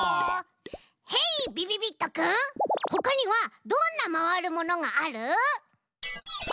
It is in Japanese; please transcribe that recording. へいびびびっとくんほかにはどんなまわるものがある？